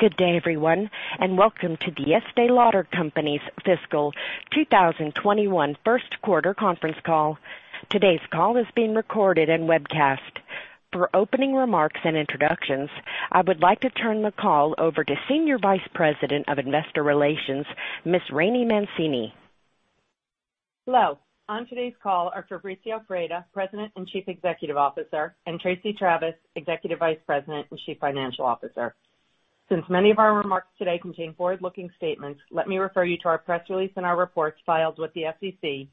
Good day, everyone, welcome to The Estée Lauder Companies' fiscal 2021 first quarter conference call. Today's call is being recorded and webcast. For opening remarks and introductions, I would like to turn the call over to Senior Vice President of Investor Relations, Ms. Rainey Mancini. Hello. On today's call are Fabrizio Freda, President and Chief Executive Officer, and Tracey Travis, Executive Vice President and Chief Financial Officer. Since many of our remarks today contain forward-looking statements, let me refer you to our press release and our reports filed with the SEC,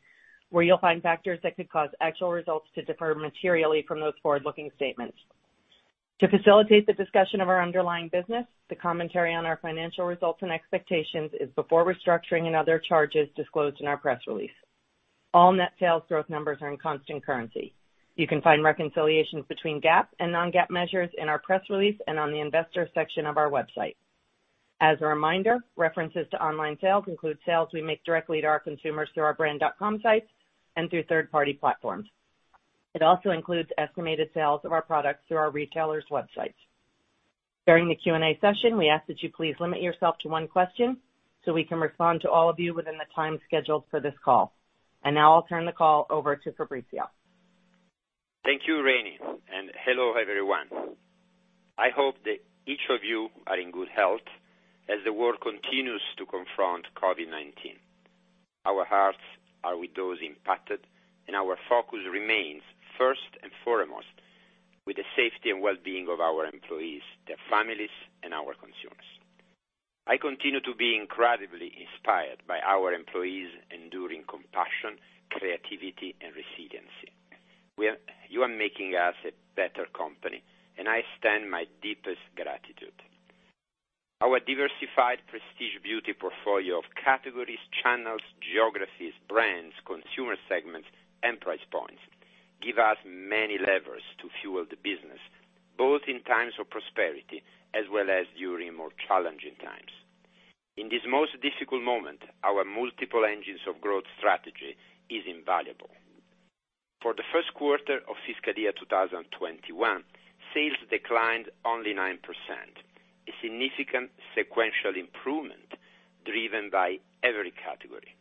where you'll find factors that could cause actual results to differ materially from those forward-looking statements. To facilitate the discussion of our underlying business, the commentary on our financial results and expectations is before restructuring and other charges disclosed in our press release. All net sales growth numbers are in constant currency. You can find reconciliations between GAAP and non-GAAP measures in our press release and on the investor section of our website. As a reminder, references to online sales include sales we make directly to our consumers through our brand.com sites and through third-party platforms. It also includes estimated sales of our products through our retailers' websites. During the Q&A session, we ask that you please limit yourself to one question so we can respond to all of you within the time scheduled for this call. Now I'll turn the call over to Fabrizio. Thank you, Rainey, and hello, everyone. I hope that each of you are in good health as the world continues to confront COVID-19. Our hearts are with those impacted, and our focus remains first and foremost with the safety and wellbeing of our employees, their families, and our consumers. I continue to be incredibly inspired by our employees enduring compassion, creativity, and resiliency. You are making us a better company, and I extend my deepest gratitude. Our diversified prestige beauty portfolio of categories, channels, geographies, brands, consumer segments, and price points give us many levers to fuel the business, both in times of prosperity as well as during more challenging times. In this most difficult moment, our multiple engines of growth strategy is invaluable. For the first quarter of fiscal year 2021, sales declined only 9%, a significant sequential improvement driven by every category.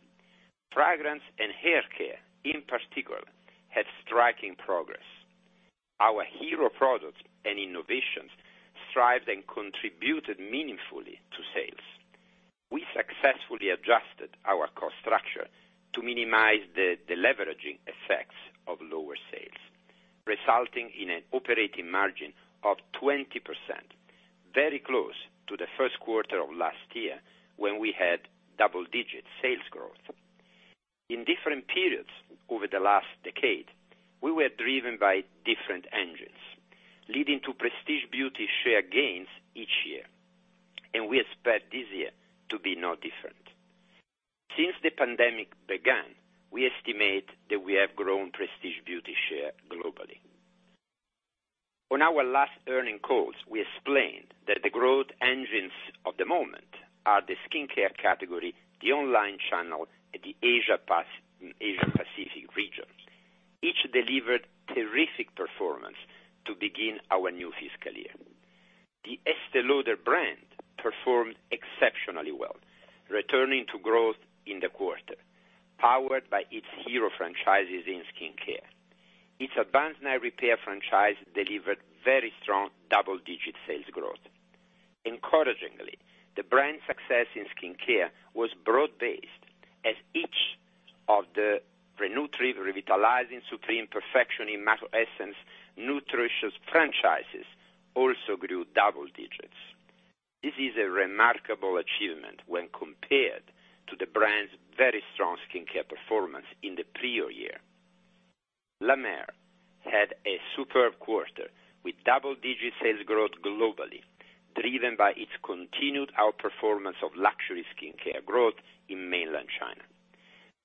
Fragrance and haircare, in particular, had striking progress. Our hero products and innovations strived and contributed meaningfully to sales. We successfully adjusted our cost structure to minimize the deleveraging effects of lower sales, resulting in an operating margin of 20%, very close to the first quarter of last year when we had double-digit sales growth. In different periods over the last decade, we were driven by different engines, leading to prestige beauty share gains each year, and we expect this year to be no different. Since the pandemic began, we estimate that we have grown prestige beauty share globally. On our last earnings calls, we explained that the growth engines of the moment are the skincare category, the online channel, and the Asia Pacific region. Each delivered terrific performance to begin our new fiscal year. The Estée Lauder brand performed exceptionally well, returning to growth in the quarter, powered by its hero franchises in skincare. It's Advanced Night Repair franchise delivered very strong double-digit sales growth. Encouragingly, the brand's success in skincare was broad-based as each of the Re-Nutriv, Revitalizing Supreme, Perfectionist, Micro Essence, Nutritious franchises also grew double digits. This is a remarkable achievement when compared to the brand's very strong skincare performance in the prior year. La Mer had a superb quarter with double-digit sales growth globally, driven by its continued outperformance of luxury skincare growth in mainland China.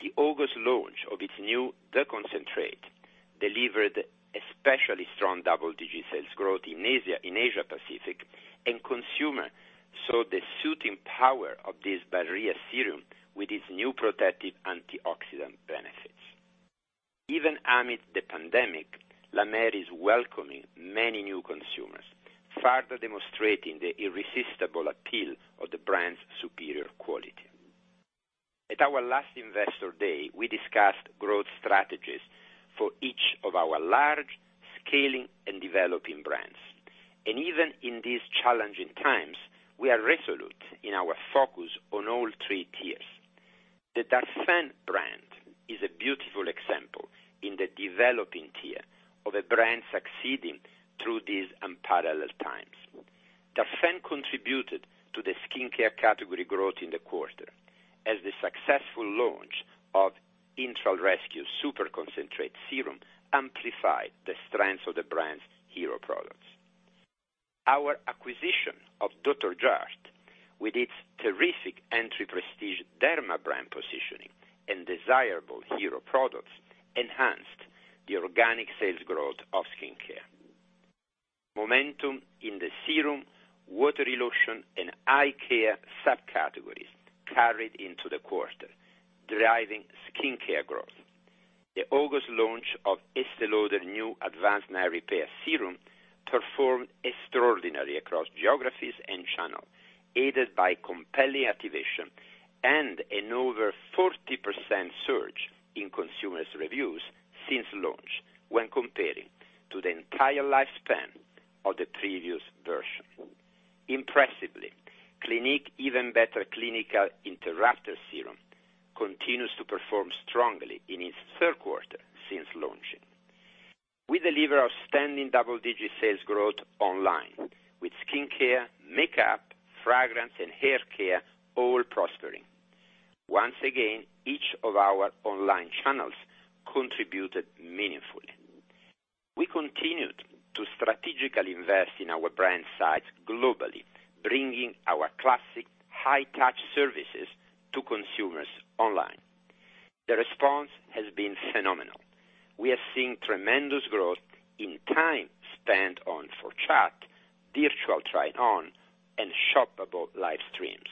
The August launch of its new The Concentrate delivered especially strong double-digit sales growth in Asia Pacific, and consumer saw the soothing power of this barrier serum with its new protective antioxidant benefits. Even amid the pandemic, La Mer is welcoming many new consumers, further demonstrating the irresistible appeal of the brand's superior quality. At our last Investor Day, we discussed growth strategies for each of our large scaling and developing brands. Even in these challenging times, we are resolute in our focus on all three tiers. The Darphin brand is a beautiful example in the developing tier of a brand succeeding through these unparalleled times. Darphin contributed to the skincare category growth in the quarter as the successful launch of Intral Rescue Super Concentrate amplified the strength of the brand's hero products. Our acquisition of Dr. Jart+, with its terrific entry prestige derma brand positioning and desirable hero products, enhanced the organic sales growth of skincare. Momentum in the serum, watery lotion, and eye care subcategories carried into the quarter, driving skincare growth. The August launch of Estée Lauder new Advanced Night Repair Serum performed extraordinarily across geographies and channels, aided by compelling activation and an over 40% surge in consumers' reviews since launch when comparing to the entire lifespan of the previous version. Impressively, Clinique Even Better Clinical Interrupter Serum continues to perform strongly in its third quarter since launching. We deliver outstanding double-digit sales growth online with skincare, makeup, fragrance, and haircare all prospering. Once again, each of our online channels contributed meaningfully. We continued to strategically invest in our brand sites globally, bringing our classic high-touch services to consumers online. The response has been phenomenal. We are seeing tremendous growth in time spent on for chat, virtual try-on, and shoppable live streams.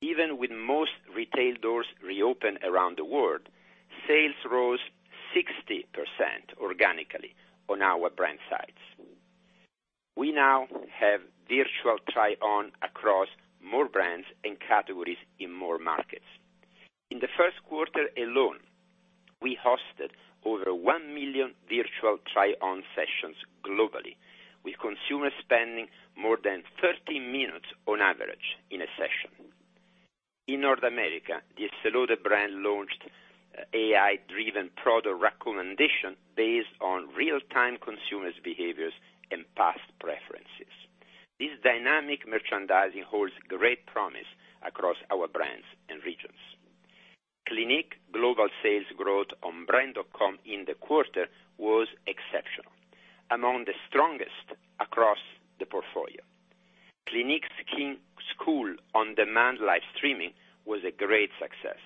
Even with most retail doors reopened around the world, sales rose 60% organically on our brand sites. We now have virtual try-on across more brands and categories in more markets. In the first quarter alone, we hosted over one million virtual try-on sessions globally, with consumers spending more than 30 minutes on average in a session. In North America, the Estée Lauder brand launched AI-driven product recommendation based on real-time consumers behaviors and past preferences. This dynamic merchandising holds great promise across our brands and regions. Clinique global sales growth on brand.com in the quarter was exceptional, among the strongest across the portfolio. Clinique Skin School on-demand live streaming was a great success,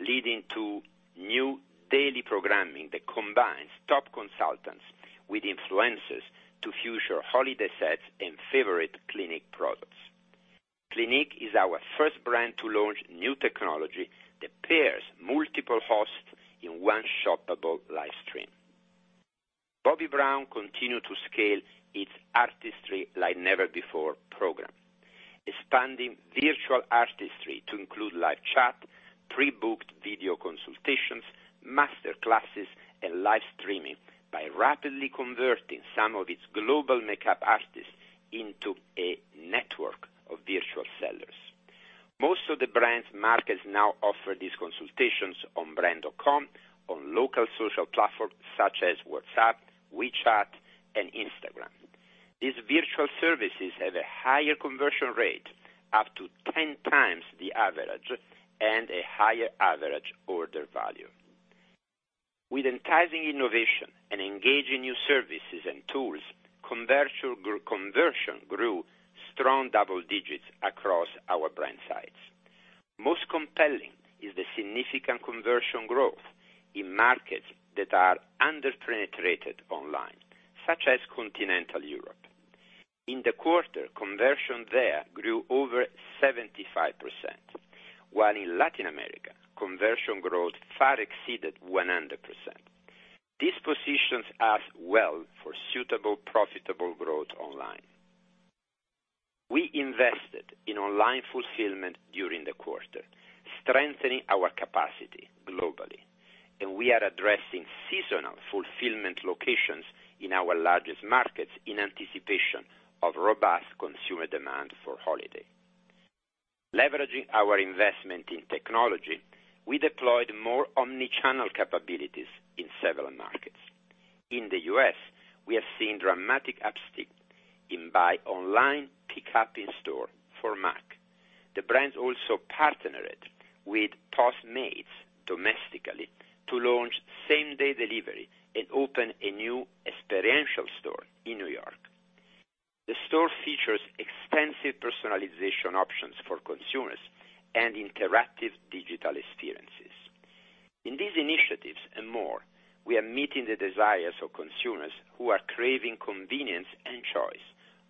leading to new daily programming that combines top consultants with influencers to feature holiday sets and favorite Clinique products. Clinique is our first brand to launch new technology that pairs multiple hosts in one shoppable live stream. Bobbi Brown continued to scale its Artistry Like Never Before program, expanding virtual artistry to include live chat, pre-booked video consultations, master classes, and live streaming by rapidly converting some of its global makeup artists into a network of virtual sellers. Most of the brand's markets now offer these consultations on brand.com, on local social platforms such as WhatsApp, WeChat, and Instagram. These virtual services have a higher conversion rate, up to 10 times the average, and a higher average order value. With enticing innovation and engaging new services and tools, conversion grew strong double digits across our brand sites. Most compelling is the significant conversion growth in markets that are under-penetrated online, such as Continental Europe. In the quarter, conversion there grew over 75%, while in Latin America, conversion growth far exceeded 100%. This positions us well for suitable, profitable growth online. We invested in online fulfillment during the quarter, strengthening our capacity globally, and we are addressing seasonal fulfillment locations in our largest markets in anticipation of robust consumer demand for holiday. Leveraging our investment in technology, we deployed more omni-channel capabilities in several markets. In the U.S., we have seen dramatic uptake in buy online, pickup in store for MAC. The brand also partnered with Postmates domestically to launch same-day delivery and open a new experiential store in New York. The store features extensive personalization options for consumers and interactive digital experiences. In these initiatives and more, we are meeting the desires of consumers who are craving convenience and choice,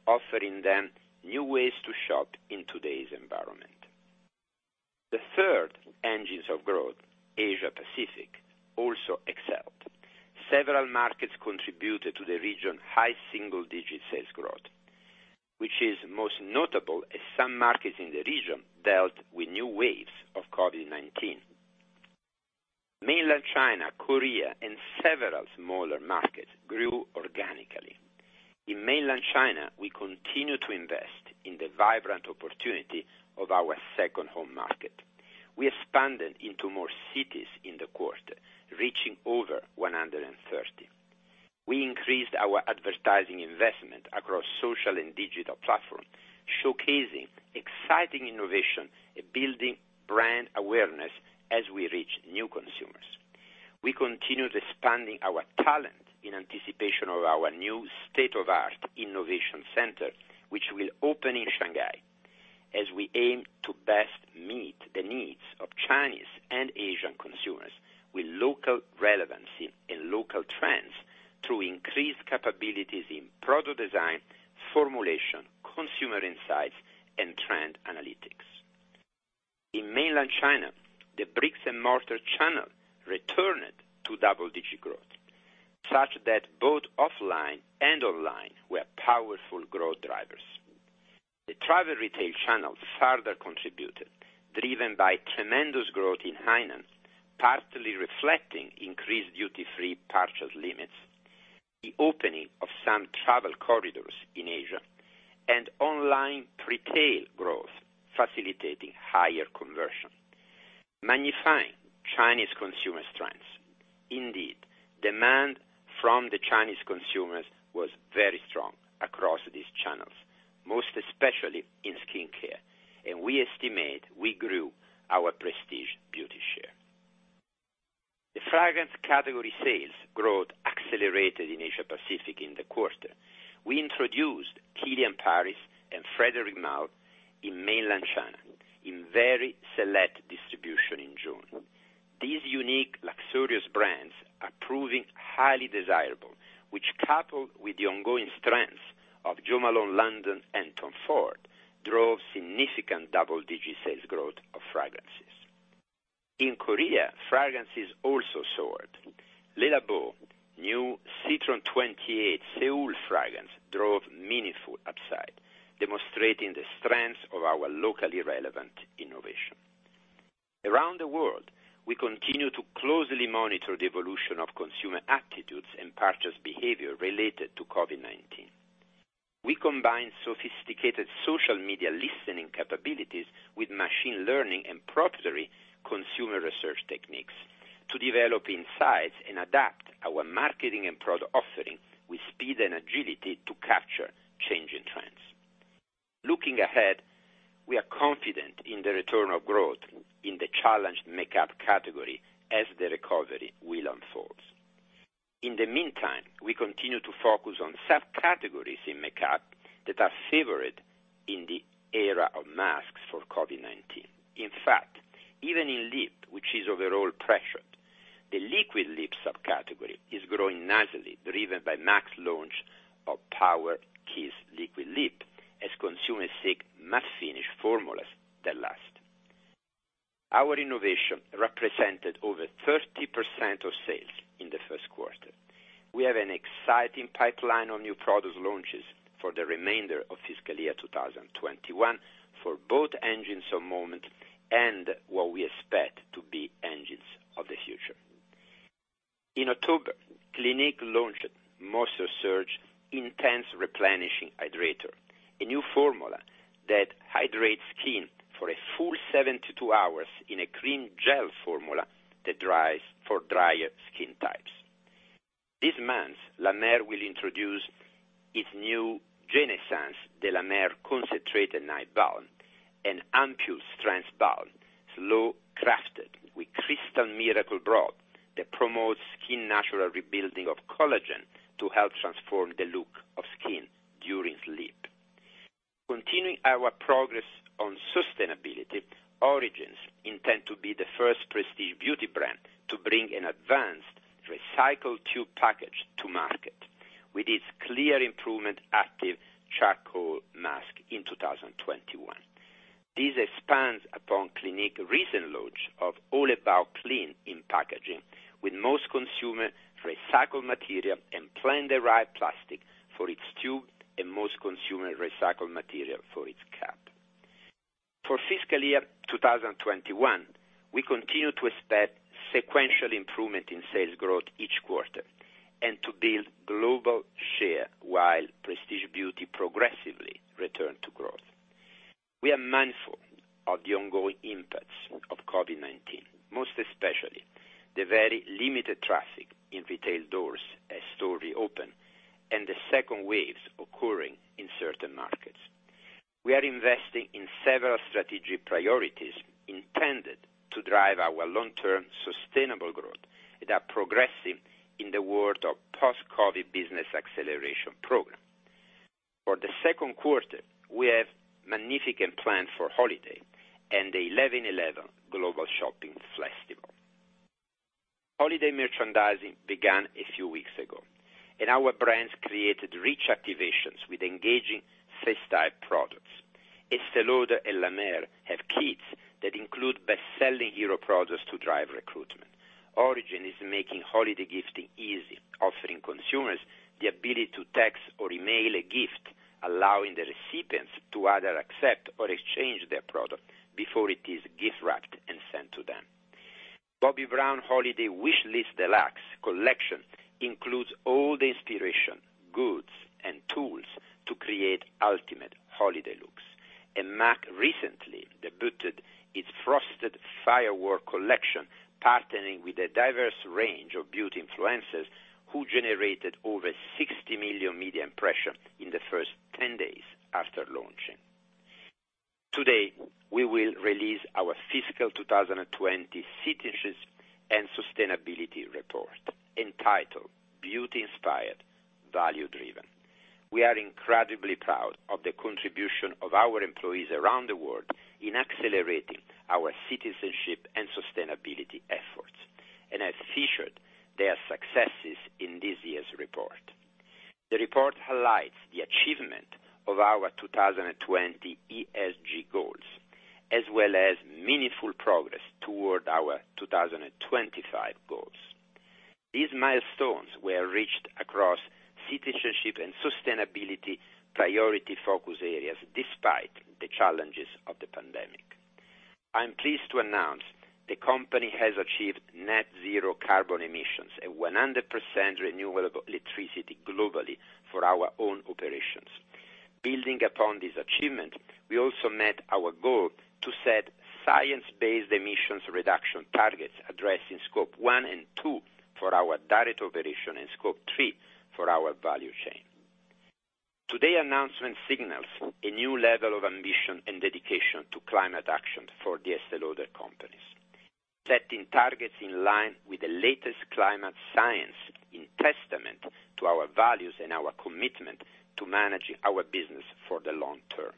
offering them new ways to shop in today's environment. The third engines of growth, Asia Pacific, also excelled. Several markets contributed to the region high single-digit sales growth, which is most notable as some markets in the region dealt with new waves of COVID-19. Mainland China, Korea, and several smaller markets grew organically. In Mainland China, we continue to invest in the vibrant opportunity of our second home market. We expanded into more cities in the quarter, reaching over 130. We increased our advertising investment across social and digital platforms, showcasing exciting innovation and building brand awareness as we reach new consumers. We continue to expanding our talent in anticipation of our new state-of-the-art innovation center, which will open in Shanghai, as we aim to best meet the needs of Chinese and Asian consumers with local relevancy and local trends through increased capabilities in product design, formulation, consumer insights, and trend analytics. In mainland China, the bricks-and-mortar channel returned to double-digit growth, such that both offline and online were powerful growth drivers. The travel retail channel further contributed, driven by tremendous growth in Hainan, partly reflecting increased duty-free purchase limits, the opening of some travel corridors in Asia, and online pre-tail growth facilitating higher conversion, magnifying Chinese consumer strengths. Indeed, demand from the Chinese consumers was very strong across these channels, most especially in skincare, and we estimate we grew our prestige beauty share. The fragrance category sales growth accelerated in Asia Pacific in the quarter. We introduced Kilian Paris and Frederic Malle in mainland China in very select distribution in June. These unique, luxurious brands are proving highly desirable, which coupled with the ongoing strength of Jo Malone London and Tom Ford, drove significant double-digit sales growth of fragrances. In Korea, fragrances also soared. Le Labo new Citron 28, Seoul fragrance drove meaningful upside, demonstrating the strength of our locally relevant innovation. Around the world, we continue to closely monitor the evolution of consumer attitudes and purchase behavior related to COVID-19. We combine sophisticated social media listening capabilities with machine learning and proprietary consumer research techniques to develop insights and adapt our marketing and product offering with speed and agility to capture changing trends. Looking ahead, we are confident in the return of growth in the challenged makeup category as the recovery will unfold. In the meantime, we continue to focus on subcategories in makeup that are favored in the era of masks for COVID-19. In fact, even in lip, which is overall pressured, the liquid lip subcategory is growing nicely, driven by MAC's launch of Powder Kiss liquid lip, as consumers seek matte finish formulas that last. Our innovation represented over 30% of sales in the first quarter. We have an exciting pipeline of new product launches for the remainder of fiscal year 2021 for both engines of moment and what we expect to be engines of the future. In October, Clinique launched Moisture Surge Intense Replenishing Hydrator, a new formula that hydrates skin for a full 72 hours in a cream gel formula that dries for drier skin types. This month, La Mer will introduce its new Genaissance de la Mer The Concentrated Night Balm, an ampoule-strength balm slow crafted with Crystal Miracle Broth that promotes skin natural rebuilding of collagen to help transform the look of skin during sleep. Continuing our progress on sustainability, Origins intend to be the first prestige beauty brand to bring an advanced recycled tube package to market with its Clear Improvement Active Charcoal Mask in 2021. This expands upon Clinique recent launch of All About Clean in packaging with most consumer recycled material and plant-derived plastic for its tube and most consumer recycled material for its cap. For fiscal year 2021, we continue to expect sequential improvement in sales growth each quarter and to build global share while prestige beauty progressively return to growth. We are mindful of the ongoing impacts of COVID-19, most especially the very limited traffic in retail doors as stores reopen, and the second waves occurring in certain markets. We are investing in several strategic priorities intended to drive our long-term sustainable growth that are progressing in the world of Post-COVID Business Acceleration Program. For the second quarter, we have magnificent plan for holiday and the 11.11 Global Shopping Festival. Our brands created rich activations with engaging festive products. Estée Lauder and La Mer have kits that include best-selling hero products to drive recruitment. Origins is making holiday gifting easy, offering consumers the ability to text or email a gift, allowing the recipients to either accept or exchange their product before it is gift wrapped and sent to them. Bobbi Brown Holiday Wish List Deluxe Collection includes all the inspiration, goods, and tools to create ultimate holiday looks. MAC recently debuted its Frosted Firework collection, partnering with a diverse range of beauty influencers who generated over 60 million media impressions in the first 10 days after launching. Today, we will release our fiscal 2020 citizenship and sustainability report entitled Beauty Inspired, Value Driven. We are incredibly proud of the contribution of our employees around the world in accelerating our citizenship and sustainability efforts and have featured their successes in this year's report. The report highlights the achievement of our 2020 ESG goals, as well as meaningful progress toward our 2025 goals. These milestones were reached across citizenship and sustainability priority focus areas, despite the challenges of the pandemic. I'm pleased to announce the company has achieved net zero carbon emissions and 100% renewable electricity globally for our own operations. Building upon this achievement, we also met our goal to set science-based emissions reduction targets addressing Scope 1 and 2 for our direct operation, and Scope 3 for our value chain. Today's announcement signals a new level of ambition and dedication to climate action for The Estée Lauder Companies, setting targets in line with the latest climate science in testament to our values and our commitment to managing our business for the long term.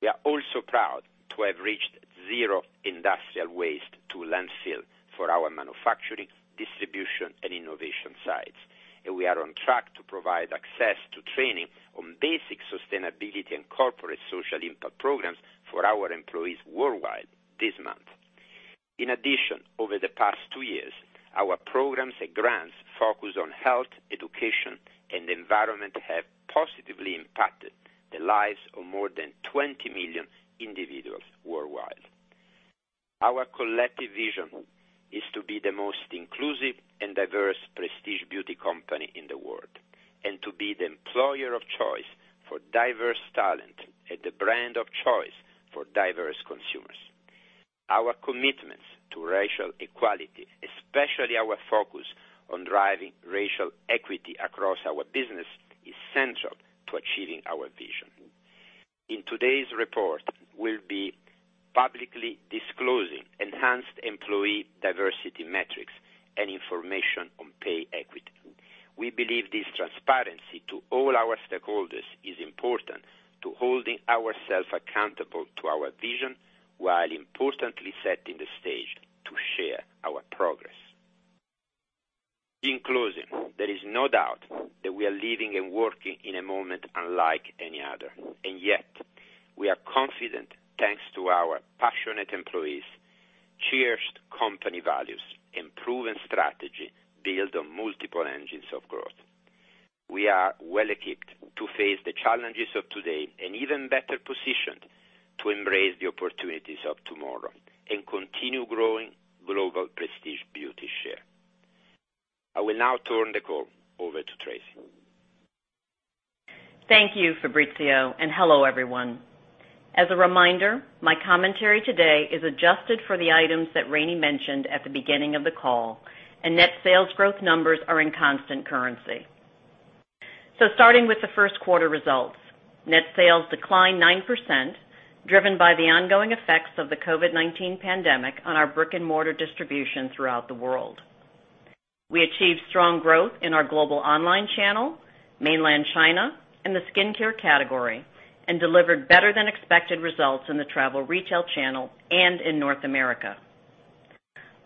We are also proud to have reached zero industrial waste to landfill for our manufacturing, distribution, and innovation sites. We are on track to provide access to training on basic sustainability and corporate social impact programs for our employees worldwide this month. In addition, over the past two years, our programs and grants focused on health, education, and environment have positively impacted the lives of more than 20 million individuals worldwide. Our collective vision is to be the most inclusive and diverse prestige beauty company in the world, and to be the employer of choice for diverse talent and the brand of choice for diverse consumers. Our commitments to racial equality, especially our focus on driving racial equity across our business, is central to achieving our vision. In today's report, we'll be publicly disclosing enhanced employee diversity metrics and information on pay equity. We believe this transparency to all our stakeholders is important to holding ourselves accountable to our vision while importantly setting the stage to share our progress. In closing, there is no doubt that we are living and working in a moment unlike any other. Yet, we are confident thanks to our passionate employees, cherished company values, and proven strategy built on multiple engines of growth. We are well equipped to face the challenges of today and even better positioned to embrace the opportunities of tomorrow and continue growing global prestige beauty share. I will now turn the call over to Tracey. Thank you, Fabrizio, and hello, everyone. As a reminder, my commentary today is adjusted for the items that Rainey mentioned at the beginning of the call, and net sales growth numbers are in constant currency. Starting with the first quarter results. Net sales declined 9%, driven by the ongoing effects of the COVID-19 pandemic on our brick-and-mortar distribution throughout the world. We achieved strong growth in our global online channel, Mainland China, and the skincare category, and delivered better than expected results in the travel retail channel and in North America.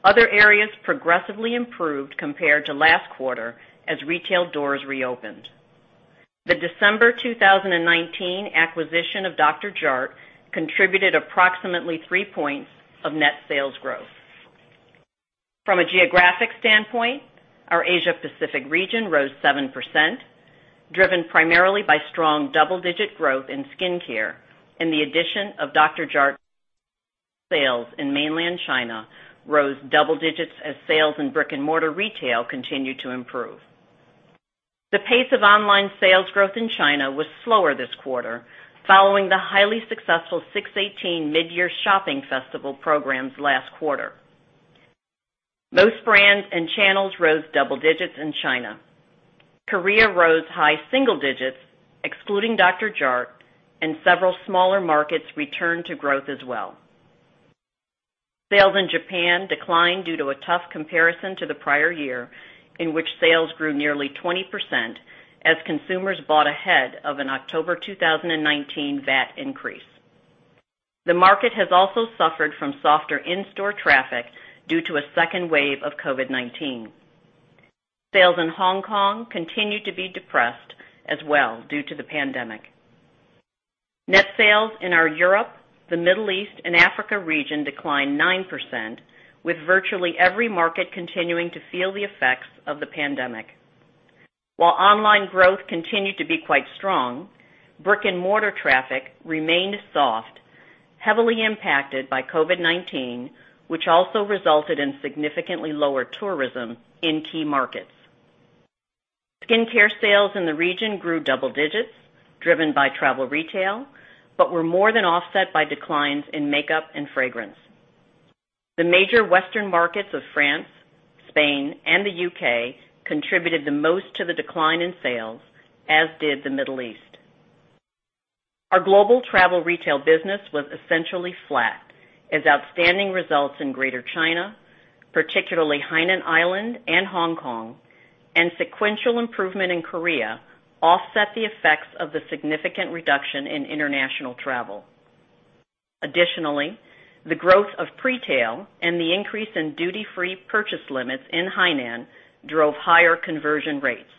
Other areas progressively improved compared to last quarter as retail doors reopened. The December 2019 acquisition of Dr. Jart+ contributed approximately three points of net sales growth. From a geographic standpoint, our Asia Pacific region rose 7%, driven primarily by strong double-digit growth in skincare and the addition of Dr. Jart+. Sales in Mainland China rose double digits as sales in brick-and-mortar retail continued to improve. The pace of online sales growth in China was slower this quarter, following the highly successful 618 Mid-Year Shopping Festival programs last quarter. Most brands and channels rose double digits in China. Korea rose high single digits, excluding Dr. Jart+, and several smaller markets returned to growth as well. Sales in Japan declined due to a tough comparison to the prior year, in which sales grew nearly 20% as consumers bought ahead of an October 2019 VAT increase. The market has also suffered from softer in-store traffic due to a second wave of COVID-19. Sales in Hong Kong continued to be depressed as well due to the pandemic. Net sales in our Europe, the Middle East, and Africa region declined 9%, with virtually every market continuing to feel the effects of the pandemic. Online growth continued to be quite strong, brick-and-mortar traffic remained soft, heavily impacted by COVID-19, which also resulted in significantly lower tourism in key markets. Skincare sales in the region grew double digits, driven by travel retail, but were more than offset by declines in makeup and fragrance. The major Western markets of France, Spain, and the U.K. contributed the most to the decline in sales, as did the Middle East. Our global travel retail business was essentially flat as outstanding results in Greater China, particularly Hainan Island and Hong Kong, and sequential improvement in Korea offset the effects of the significant reduction in international travel. The growth of pre-tail and the increase in duty-free purchase limits in Hainan drove higher conversion rates.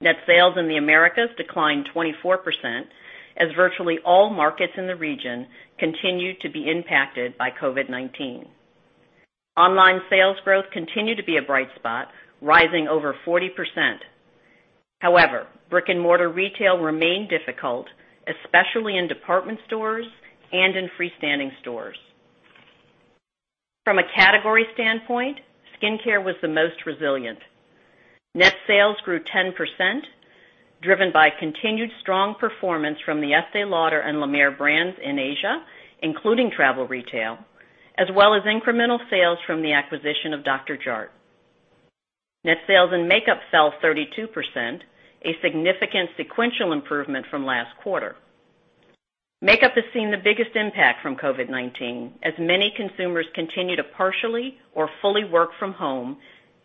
Net sales in the Americas declined 24% as virtually all markets in the region continued to be impacted by COVID-19. Online sales growth continued to be a bright spot, rising over 40%. However, brick-and-mortar retail remained difficult, especially in department stores and in freestanding stores. From a category standpoint, skincare was the most resilient. Net sales grew 10%, driven by continued strong performance from the Estée Lauder and La Mer brands in Asia, including travel retail, as well as incremental sales from the acquisition of Dr. Jart+. Net sales in makeup fell 32%, a significant sequential improvement from last quarter. Makeup has seen the biggest impact from COVID-19, as many consumers continue to partially or fully work from home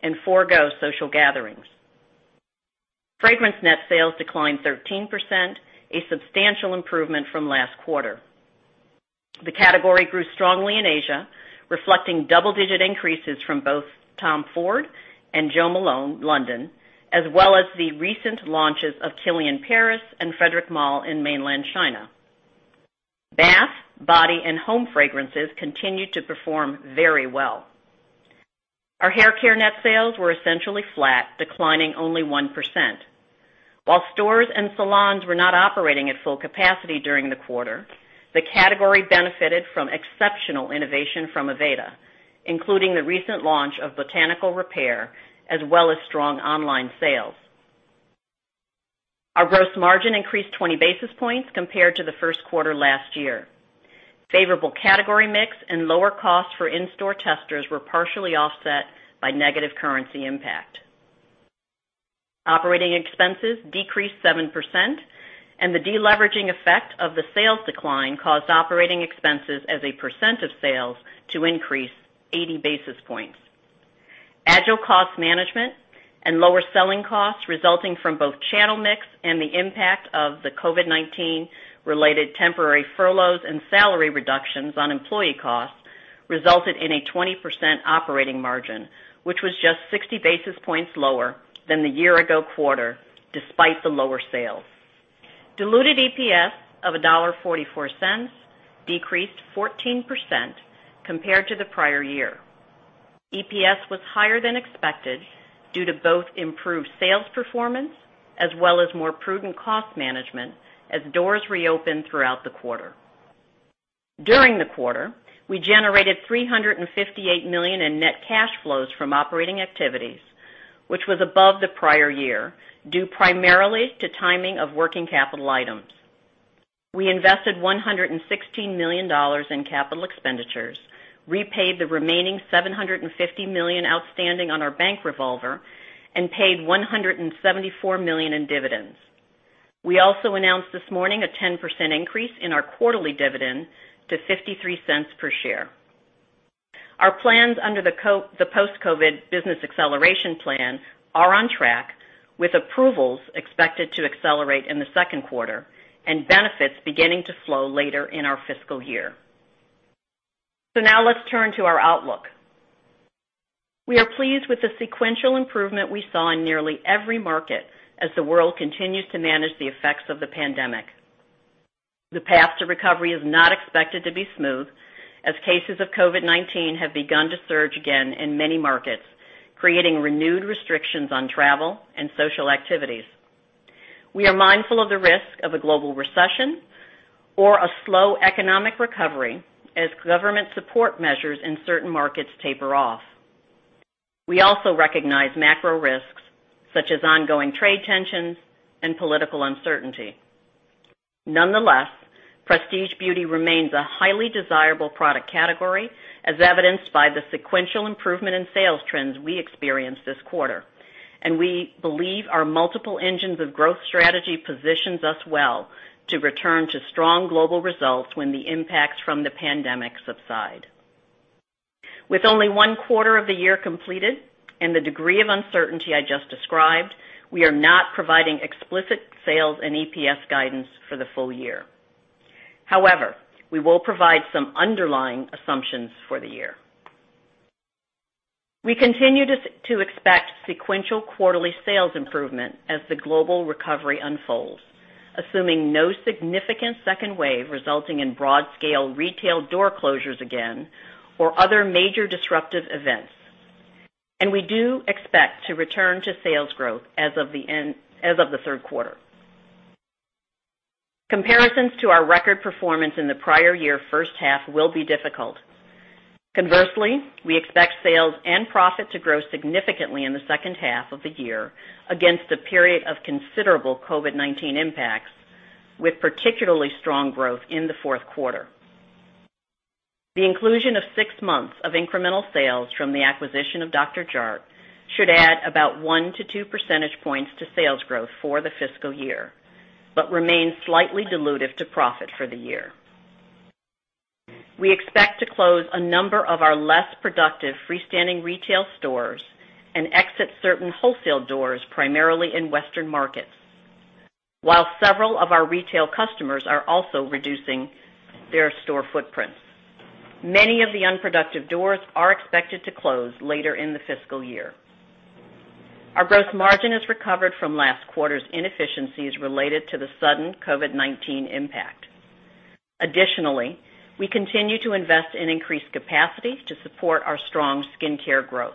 and forgo social gatherings. Fragrance net sales declined 13%, a substantial improvement from last quarter. The category grew strongly in Asia, reflecting double-digit increases from both Tom Ford and Jo Malone London, as well as the recent launches of Kilian Paris and Frederic Malle in mainland China. Bath, body, and home fragrances continued to perform very well. Our haircare net sales were essentially flat, declining only 1%. While stores and salons were not operating at full capacity during the quarter, the category benefited from exceptional innovation from Aveda, including the recent launch of Botanical Repair, as well as strong online sales. Our gross margin increased 20 basis points compared to the first quarter last year. Favorable category mix and lower costs for in-store testers were partially offset by negative currency impact. Operating expenses decreased 7%, the de-leveraging effect of the sales decline caused operating expenses as a percent of sales to increase 80 basis points. Agile cost management and lower selling costs resulting from both channel mix and the impact of the COVID-19 related temporary furloughs and salary reductions on employee costs resulted in a 20% operating margin, which was just 60 basis points lower than the year-ago quarter, despite the lower sales. Diluted EPS of $1.44 decreased 14% compared to the prior year. EPS was higher than expected due to both improved sales performance as well as more prudent cost management as doors reopened throughout the quarter. During the quarter, we generated $358 million in net cash flows from operating activities, which was above the prior year, due primarily to timing of working capital items. We invested $116 million in capital expenditures, repaid the remaining $750 million outstanding on our bank revolver, and paid $174 million in dividends. We also announced this morning a 10% increase in our quarterly dividend to $0.53 per share. Our plans under the Post-COVID Business Acceleration Program are on track, with approvals expected to accelerate in the second quarter and benefits beginning to flow later in our fiscal year. Now let's turn to our outlook. We are pleased with the sequential improvement we saw in nearly every market as the world continues to manage the effects of the pandemic. The path to recovery is not expected to be smooth, as cases of COVID-19 have begun to surge again in many markets, creating renewed restrictions on travel and social activities. We are mindful of the risk of a global recession or a slow economic recovery as government support measures in certain markets taper off. We also recognize macro risks such as ongoing trade tensions and political uncertainty. Nonetheless, prestige beauty remains a highly desirable product category, as evidenced by the sequential improvement in sales trends we experienced this quarter. We believe our multiple engines of growth strategy positions us well to return to strong global results when the impacts from the pandemic subside. With only one quarter of the year completed and the degree of uncertainty I just described, we are not providing explicit sales and EPS guidance for the full year. However, we will provide some underlying assumptions for the year. We continue to expect sequential quarterly sales improvement as the global recovery unfolds, assuming no significant second wave resulting in broad-scale retail door closures again or other major disruptive events. We do expect to return to sales growth as of the third quarter. Comparisons to our record performance in the prior year first half will be difficult. Conversely, we expect sales and profit to grow significantly in the second half of the year against a period of considerable COVID-19 impacts, with particularly strong growth in the fourth quarter. The inclusion of six months of incremental sales from the acquisition of Dr. Jart+ should add about one to two percentage points to sales growth for the fiscal year, but remain slightly dilutive to profit for the year. We expect to close a number of our less productive freestanding retail stores and exit certain wholesale doors, primarily in Western markets, while several of our retail customers are also reducing their store footprints. Many of the unproductive doors are expected to close later in the fiscal year. Our gross margin has recovered from last quarter's inefficiencies related to the sudden COVID-19 impact. Additionally, we continue to invest in increased capacity to support our strong skincare growth.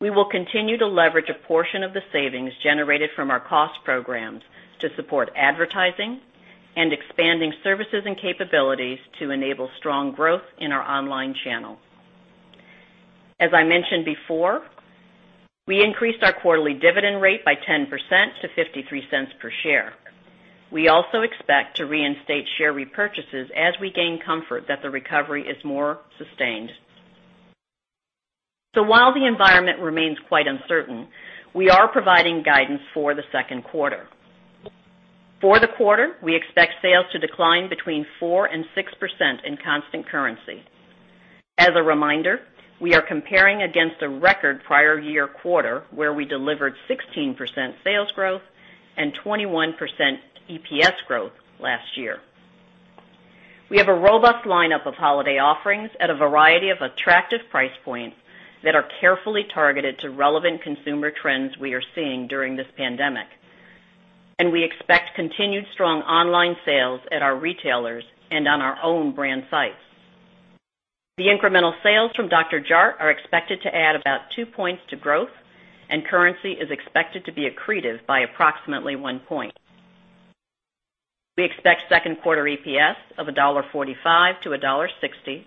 We will continue to leverage a portion of the savings generated from our cost programs to support advertising and expanding services and capabilities to enable strong growth in our online channel. As I mentioned before, we increased our quarterly dividend rate by 10% to $0.53 per share. We also expect to reinstate share repurchases as we gain comfort that the recovery is more sustained. While the environment remains quite uncertain, we are providing guidance for the second quarter. For the quarter, we expect sales to decline between 4% and 6% in constant currency. As a reminder, we are comparing against a record prior year quarter where we delivered 16% sales growth and 21% EPS growth last year. We have a robust lineup of holiday offerings at a variety of attractive price points that are carefully targeted to relevant consumer trends we are seeing during this pandemic. We expect continued strong online sales at our retailers and on our own brand sites. The incremental sales from Dr. Jart+ are expected to add about two points to growth, and currency is expected to be accretive by approximately one point. We expect second quarter EPS of $1.45 to $1.60,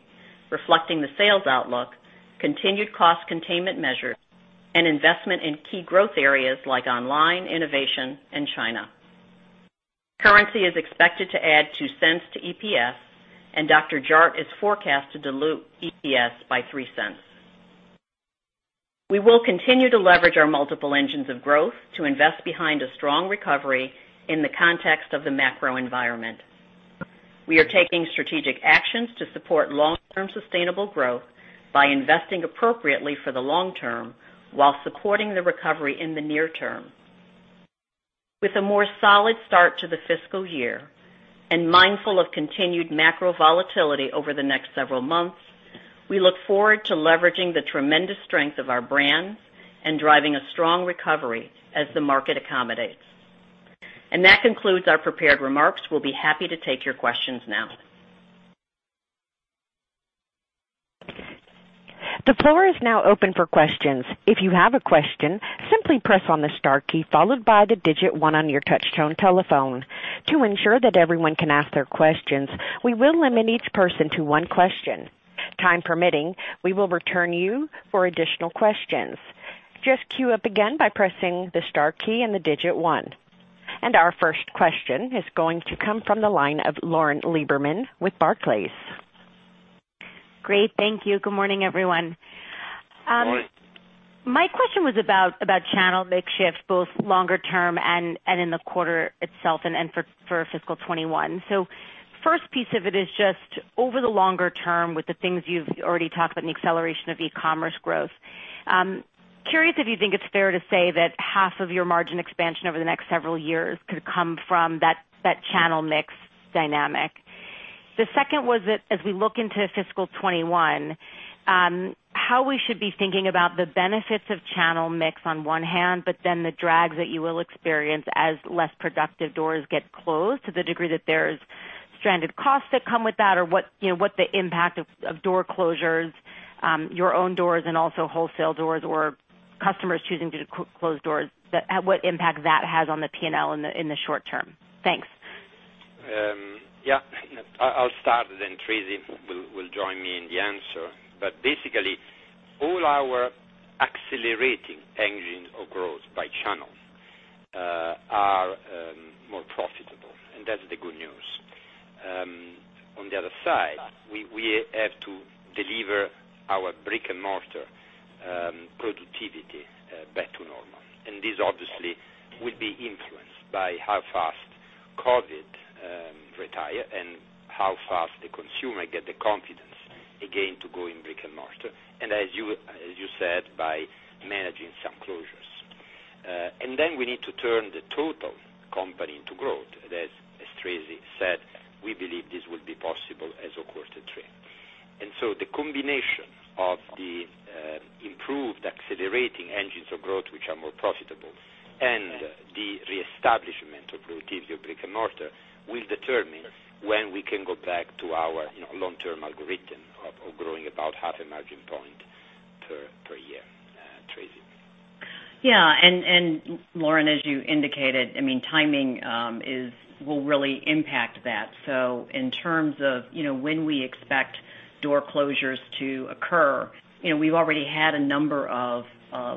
reflecting the sales outlook, continued cost containment measures, and investment in key growth areas like online, innovation, and China. Currency is expected to add $0.02 to EPS, and Dr. Jart+ is forecast to dilute EPS by $0.03. We will continue to leverage our multiple engines of growth to invest behind a strong recovery in the context of the macro environment. We are taking strategic actions to support long-term sustainable growth by investing appropriately for the long term while supporting the recovery in the near term. With a more solid start to the fiscal year and mindful of continued macro volatility over the next several months, we look forward to leveraging the tremendous strength of our brands and driving a strong recovery as the market accommodates. That concludes our prepared remarks. We'll be happy to take your questions now. The floor is now open for questions. If you have a question, simply press on the star key followed by the digit one on your touch tone telephone. To ensure that everyone can ask their questions, we will limit each person to one question. Time permitting, we will return to you for additional questions. Just queue up again by pressing the star key and the digit one. Our first question is going to come from the line of Lauren Lieberman with Barclays. Great, thank you. Good morning, everyone. Good morning. My question was about channel mix shift, both longer term and in the quarter itself and for fiscal 2021. First piece of it is just over the longer term with the things you've already talked about, and the acceleration of e-commerce growth. Curious if you think it's fair to say that half of your margin expansion over the next several years could come from that channel mix dynamic. The second was that as we look into fiscal 2021, how we should be thinking about the benefits of channel mix on one hand, but the drags that you will experience as less productive doors get closed to the degree that there's stranded costs that come with that or what the impact of door closures, your own doors and also wholesale doors or customers choosing to close doors, what impact that has on the P&L in the short term? Thanks. Yeah. I'll start, then Tracey will join me in the answer. Basically, all our accelerating engines of growth by channel are more profitable, and that's the good news. On the other side, we have to deliver our brick-and-mortar productivity back to normal. This obviously will be influenced by how fast COVID retire and how fast the consumer get the confidence again to go in brick and mortar, and as you said, by managing some closures. Then we need to turn the total company into growth. As Tracey said, we believe this will be possible as a quarter three. The combination of the improved accelerating engines of growth, which are more profitable, and the reestablishment of productivity of brick and mortar will determine when we can go back to our long-term algorithm of growing about half a margin point per year. Tracey. Yeah. Lauren, as you indicated, timing will really impact that. In terms of when we expect door closures to occur, we've already had a number of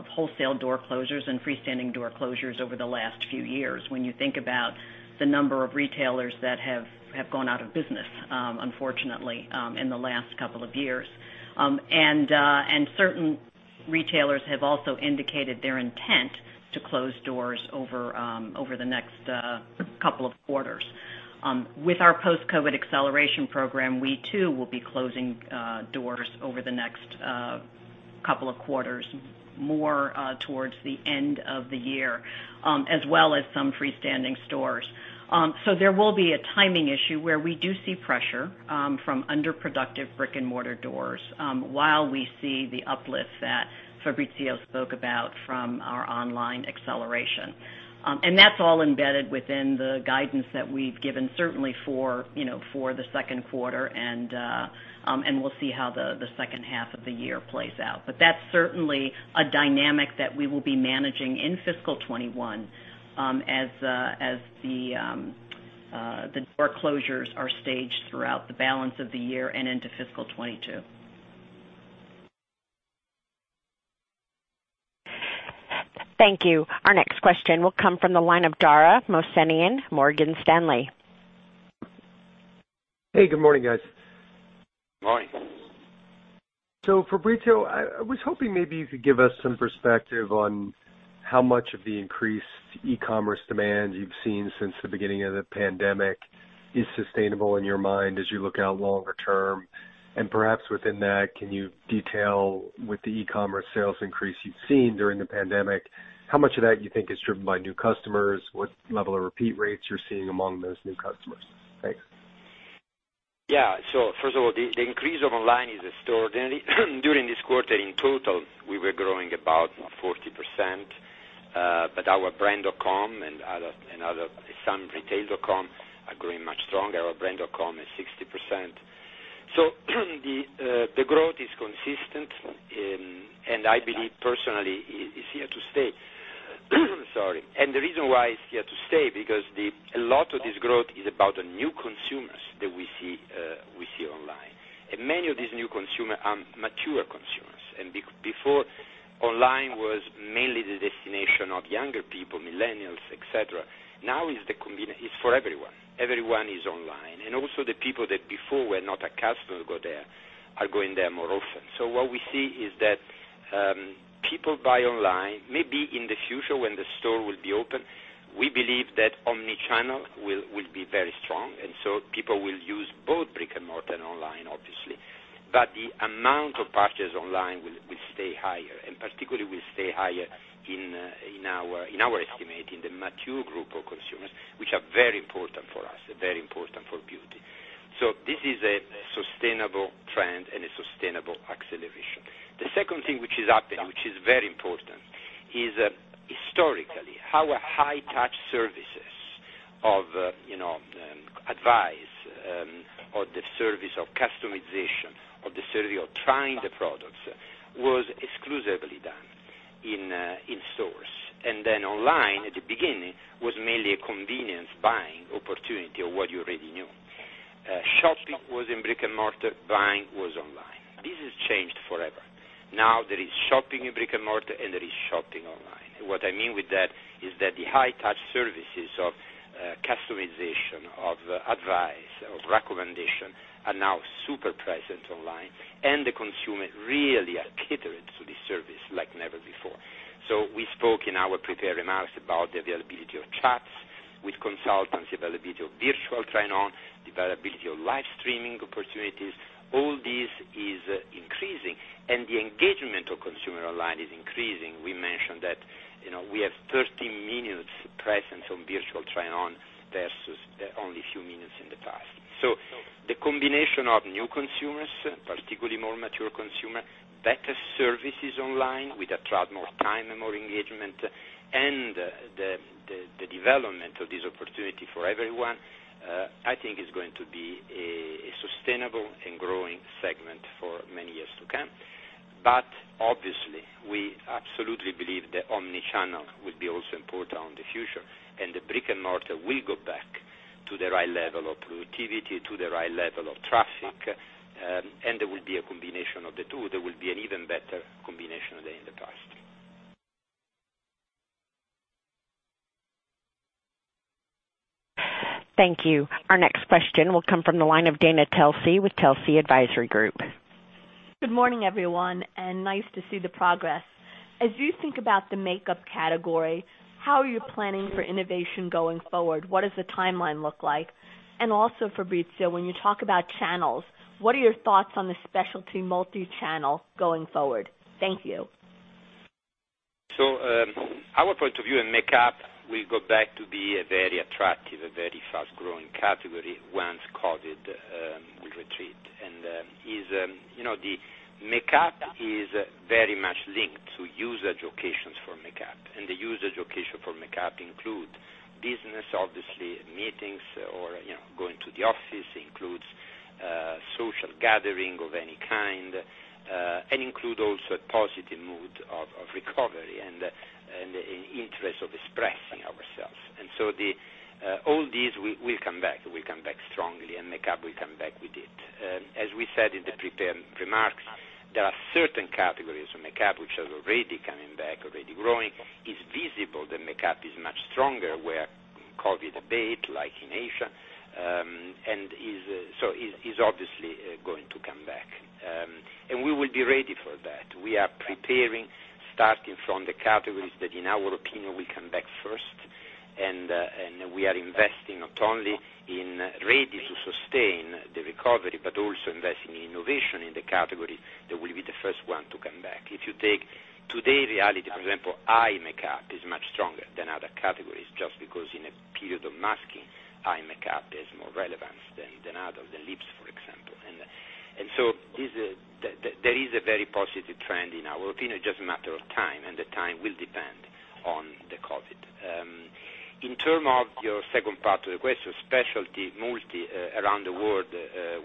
wholesale door closures and freestanding door closures over the last few years, when you think about the number of retailers that have gone out of business, unfortunately, in the last couple of years. Certain retailers have also indicated their intent to close doors over the next couple of quarters. With our Post-COVID Business Acceleration Program, we too will be closing doors over the next couple of quarters, more towards the end of the year, as well as some freestanding stores. There will be a timing issue where we do see pressure from under-productive brick-and-mortar doors, while we see the uplift that Fabrizio spoke about from our online acceleration. That's all embedded within the guidance that we've given, certainly for the second quarter, and we'll see how the second half of the year plays out. That's certainly a dynamic that we will be managing in fiscal 2021, as the door closures are staged throughout the balance of the year and into fiscal 2022. Thank you. Our next question will come from the line of Dara Mohsenian, Morgan Stanley. Hey, good morning, guys. Morning. Fabrizio, I was hoping maybe you could give us some perspective on how much of the increased e-commerce demand you've seen since the beginning of the pandemic is sustainable in your mind as you look out longer term. Perhaps within that, can you detail, with the e-commerce sales increase you've seen during the pandemic, how much of that you think is driven by new customers? What level of repeat rates you're seeing among those new customers? Thanks. Yeah. First of all, the increase of online is extraordinary. During this quarter, in total, we were growing about 40%. Our brand.com and other some retails.com are growing much stronger. Our brand.com is 60%. The growth is consistent, and I believe personally is here to stay. Sorry. The reason why it's here to stay, because a lot of this growth is about the new consumers that we see online. Many of these new consumer are mature consumers. Before, online was mainly the destination of younger people, millennials, et cetera. Now, it's for everyone. Everyone is online. Also the people that before were not a customer go there, are going there more often. What we see is that people buy online, maybe in the future when the store will be open, we believe that omni-channel will be very strong, people will use both brick-and-mortar and online, obviously. The amount of purchases online will stay higher, particularly will stay higher in our estimate, in the mature group of consumers, which are very important for us, very important for beauty. This is a sustainable trend and a sustainable acceleration. The second thing which is happening, which is very important, is historically, our high-touch services of advice, or the service of customization, or the service of trying the products was exclusively done in stores. Online, at the beginning, was mainly a convenience buying opportunity of what you already knew. Shopping was in brick-and-mortar, buying was online. This has changed forever. Now there is shopping in brick-and-mortar, and there is shopping online. What I mean with that is that the high-touch services of customization, of advice, of recommendation, are now super present online, and the consumer really are catered to the service like never before. We spoke in our prepared remarks about the availability of chats with consultants, the availability of virtual try-on, the availability of live streaming opportunities. All this is increasing, and the engagement of consumer online is increasing. We mentioned that we have 30 minutes presence on virtual try-on versus only a few minutes in the past. The combination of new consumers, particularly more mature consumer, better services online with a try more time and more engagement, and the development of this opportunity for everyone, I think is going to be a sustainable and growing segment for many years to come. Obviously, we absolutely believe that omni-channel will be also important on the future, and the brick-and-mortar will go back to the right level of productivity, to the right level of traffic, and there will be a combination of the two. There will be an even better combination than in the past. Thank you. Our next question will come from the line of Dana Telsey with Telsey Advisory Group. Good morning, everyone, and nice to see the progress. As you think about the makeup category, how are you planning for innovation going forward? What does the timeline look like? Also, Fabrizio, when you talk about channels, what are your thoughts on the specialty multi-channel going forward? Thank you. Our point of view in makeup will go back to be a very attractive, a very fast-growing category once COVID will retreat. The makeup is very much linked to usage occasions for makeup. The usage occasion for makeup include business, obviously, meetings or going to the office. It includes social gathering of any kind, and include also a positive mood of recovery and interest of expressing ourselves. All these will come back, will come back strongly and makeup will come back with it. As we said in the prepared remarks, there are certain categories of makeup which are already coming back. Growing is visible. The makeup is much stronger where COVID abates, like in Asia, and so is obviously going to come back. We will be ready for that. We are preparing, starting from the categories that, in our opinion, will come back first. We are investing not only in being ready to sustain the recovery, but also investing in innovation in the categories that will be the first ones to come back. If you take today's reality, for example, eye makeup is much stronger than other categories just because in a period of masking, eye makeup has more relevance than others, than lips, for example. There is a very positive trend in our opinion, it's just a matter of time. The time will depend on the COVID. In terms of your second part of the question, specialty multi around the world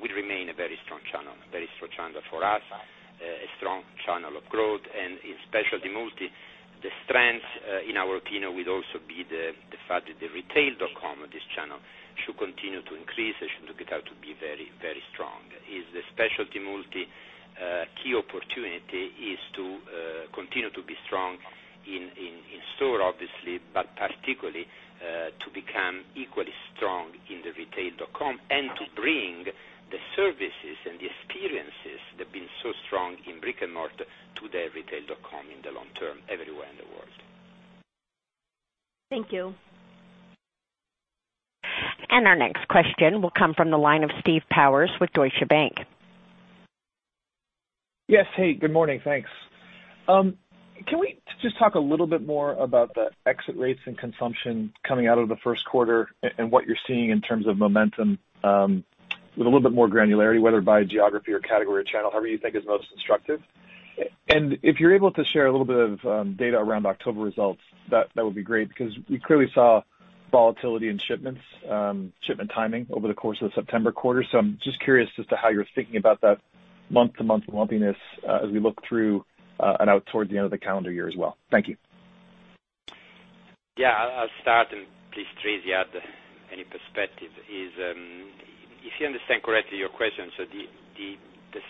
will remain a very strong channel. Very strong channel for us, a strong channel of growth, and in specialty multi, the strength, in our opinion, will also be the fact that the retail.com of this channel should continue to increase and should turn out to be very strong. The specialty multi key opportunity is to continue to be strong in store, obviously, but particularly, to become equally strong in the retail.com and to bring the services and the experiences that have been so strong in brick-and-mortar to the retail.com in the long term everywhere in the world. Thank you. Our next question will come from the line of Steve Powers with Deutsche Bank. Yes. Hey, good morning, thanks. Can we just talk a little bit more about the exit rates and consumption coming out of the first quarter and what you're seeing in terms of momentum with a little bit more granularity, whether by geography or category or channel, however you think is most instructive? If you're able to share a little bit of data around October results, that would be great because we clearly saw volatility in shipments, shipment timing over the course of the September quarter. I'm just curious as to how you're thinking about that month-to-month lumpiness as we look through and out towards the end of the calendar year as well. Thank you. Yeah, I'll start and please, Tracey, add any perspective. If I understand correctly your question, the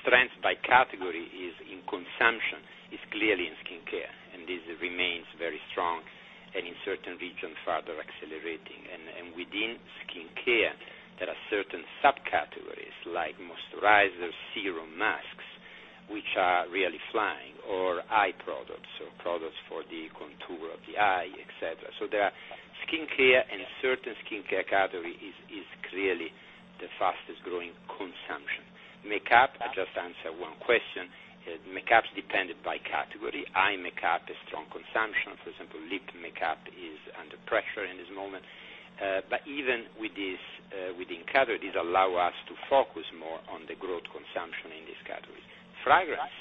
strength by category in consumption is clearly in skincare, and this remains very strong and in certain regions, further accelerating. Within skincare, there are certain subcategories like moisturizers, serum masks, which are really flying, or eye products or products for the contour of the eye, et cetera. There are skincare and certain skincare categories are clearly the fastest-growing consumption. Makeup, I'll just answer one question, makeup's dependent by category. Eye makeup is strong consumption. For example, lip makeup is under pressure in this moment. Even within categories allow us to focus more on the growth consumption in this category. Fragrance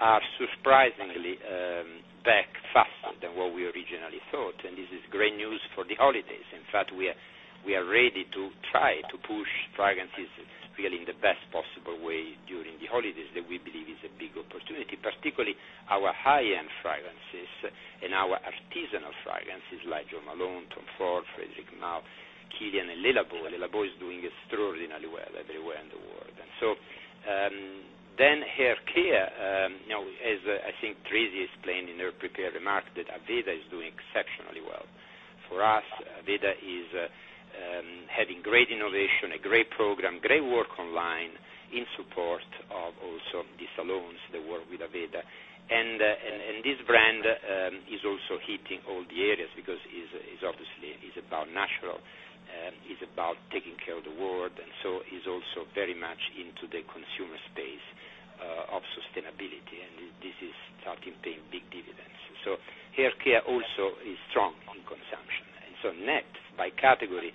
are surprisingly back faster than what we originally thought, and this is great news for the holidays. We are ready to try to push fragrances really in the best possible way during the holidays that we believe is a big opportunity, particularly our high-end fragrances and our artisanal fragrances like Jo Malone, Tom Ford, Frédéric Malle, Kilian, and Le Labo. Le Labo is doing extraordinarily well everywhere in the world. Haircare, as I think Tracey explained in her prepared remarks, that Aveda is doing exceptionally well. For us, Aveda is having great innovation, a great program, great work online in support of also the salons that work with Aveda. This brand is also hitting all the areas because it obviously is about natural, is about taking care of the world, is also very much into the consumer space of sustainability, and this is starting to pay big dividends. Haircare also is strong in consumption. Net by category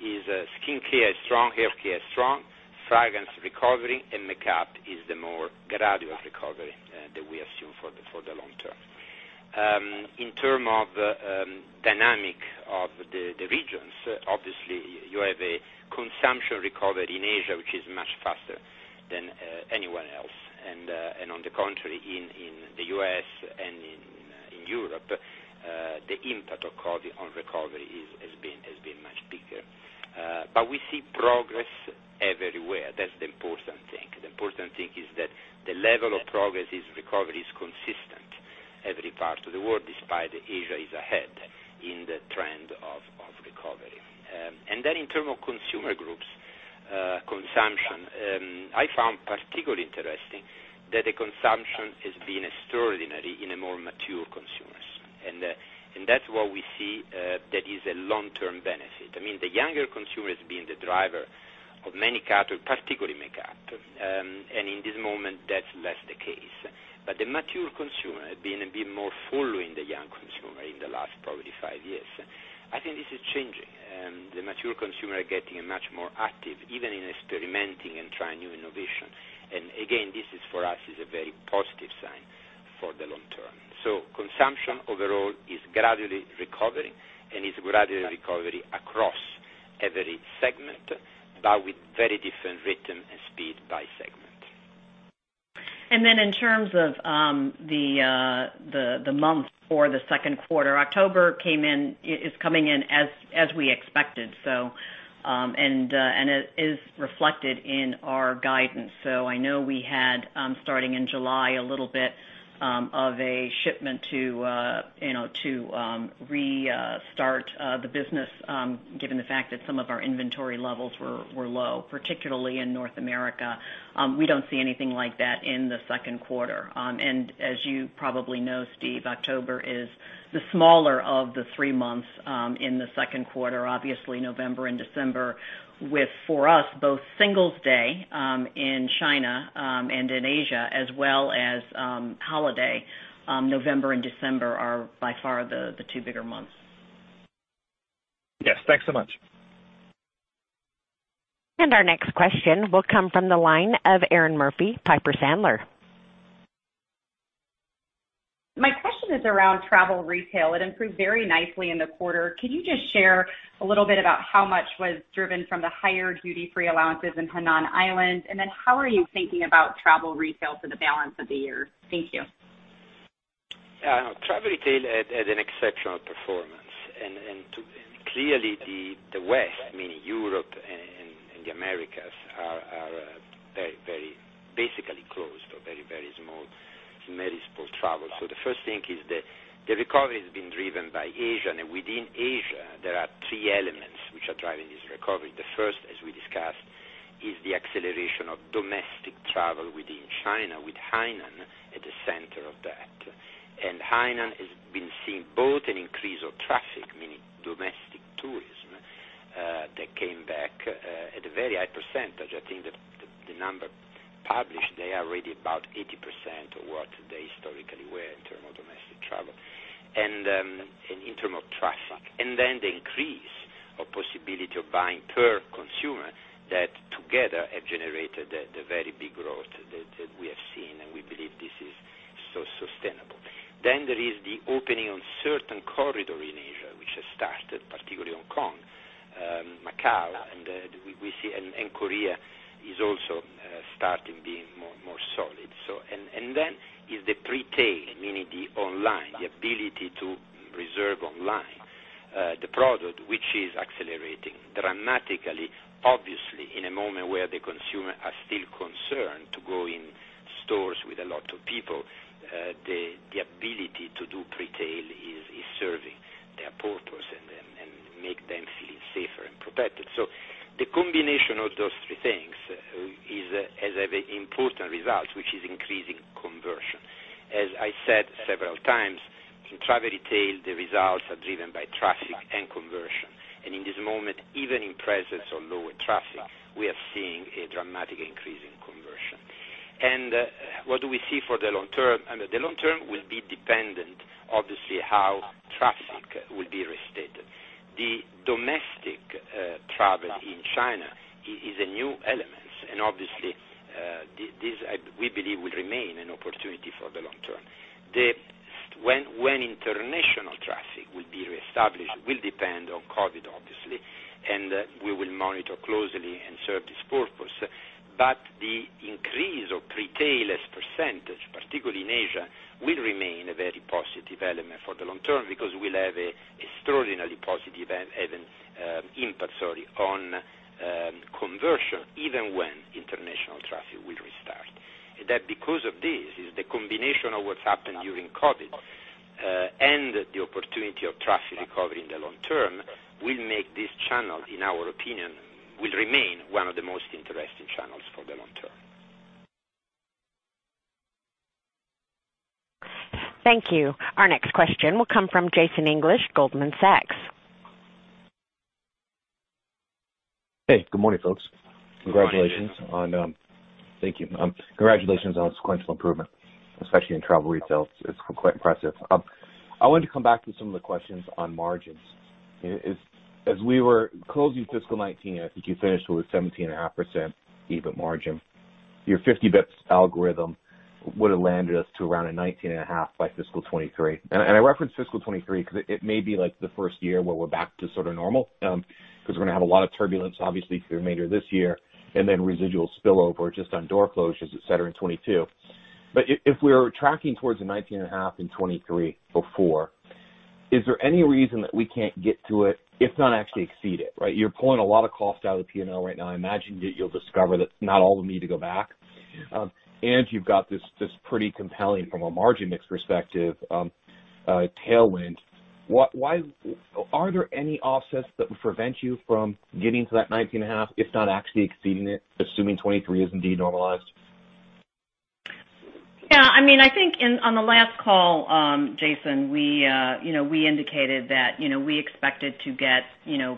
is skincare is strong, haircare is strong, fragrance recovery, and makeup is the more gradual recovery that we assume for the long term. In terms of dynamic of the regions, obviously, you have a consumption recovery in Asia, which is much faster than anyone else. On the contrary, in the U.S. and in Europe, the impact of COVID on recovery has been much bigger. We see progress everywhere. That's the important thing. The important thing is that the level of progress in recovery is consistent every part of the world, despite Asia is ahead in the trend of recovery. In terms of consumer groups consumption, I found particularly interesting that the consumption has been extraordinary in the more mature consumers. That's what we see that is a long-term benefit. The younger consumer has been the driver of many categories, particularly makeup, and in this moment, that's less the case. The mature consumer had been a bit more following the young consumer in the last probably five years. I think this is changing. The mature consumer are getting much more active, even in experimenting and trying new innovation. Again, this for us is a very positive sign for the long term. Consumption overall is gradually recovering, and it's gradually recovering across every segment, but with very different rhythm and speed by segment. In terms of the month for the second quarter, October is coming in as we expected. It is reflected in our guidance. I know we had, starting in July, a little bit of a shipment to restart the business, given the fact that some of our inventory levels were low, particularly in North America. We don't see anything like that in the second quarter. As you probably know, Steve, October is the smaller of the three months in the second quarter. Obviously, November and December with, for us, both Singles Day in China and in Asia as well as holiday, November and December are by far the two bigger months. Yes. Thanks so much. Our next question will come from the line of Erinn Murphy, Piper Sandler. My question is around travel retail. It improved very nicely in the quarter. Can you just share a little bit about how much was driven from the higher duty-free allowances in Hainan Island? How are you thinking about travel retail for the balance of the year? Thank you. Travel retail had an exceptional performance. Clearly, the West, meaning Europe and the Americas, are very basically closed or very small travel. The first thing is that the recovery has been driven by Asia. Within Asia, there are three elements which are driving this recovery. The first, as we discussed, is the acceleration of domestic travel within China, with Hainan at the center of that. Hainan has been seeing both an increase of traffic, meaning domestic tourism, that came back at a very high percentage. I think the number published, they are already about 80% of what they historically were in terms of domestic travel, and in terms of traffic. Then the increase of possibility of buying per consumer that together have generated the very big growth that we have seen, and we believe this is sustainable. There is the opening of certain corridor in Asia, which has started, particularly Hong Kong, Macau, and Korea is also starting being more solid. There is the pre-tail, meaning the online, the ability to reserve online the product, which is accelerating dramatically. Obviously, in a moment where the consumer are still concerned to go in stores with a lot of people, the ability to do pre-tail is serving the airports and make them feel safer and protected. The combination of those three things has a very important result, which is increasing conversion. As I said several times, in travel retail, the results are driven by traffic and conversion. In this moment, even in presence of lower traffic, we are seeing a dramatic increase in conversion. What do we see for the long term? The long term will be dependent, obviously, how traffic will be restated. The domestic travel in China is a new element, and obviously, this, we believe, will remain an opportunity for the long term. When international traffic will be reestablished will depend on COVID, obviously, and we will monitor closely and serve this purpose. The increase of pre-tail as percentage, particularly in Asia, will remain a very positive element for the long term because we'll have a extraordinarily positive impact on conversion, even when international traffic will restart. That because of this is the combination of what's happened during COVID, and the opportunity of traffic recovery in the long term will make this channel, in our opinion, will remain one of the most interesting channels for the long term. Thank you. Our next question will come from Jason English, Goldman Sachs. Hey, good morning, folks. Good morning. Thank you. Congratulations on sequential improvement, especially in travel retail. It's quite impressive. I wanted to come back to some of the questions on margins. As we were closing fiscal 2019, I think you finished with a 17.5% EBIT margin. Your 50 basis points algorithm would have landed us to around a 19.5% by fiscal 2023. I reference fiscal 2023 because it may be the first year where we're back to sort of normal, because we're going to have a lot of turbulence, obviously, through the remainder of this year, and then residual spillover just on door closures, et cetera, in 2022. If we're tracking towards a 19.5% in 2023 or 2024, is there any reason that we can't get to it, if not actually exceed it, right. You're pulling a lot of cost out of the P&L right now. I imagine that you'll discover that not all of them need to go back. You've got this pretty compelling, from a margin mix perspective, tailwind. Are there any offsets that would prevent you from getting to that 19.5%, if not actually exceeding it, assuming 2023 is indeed normalized? Yeah. I think on the last call, Jason, we indicated that we expected to get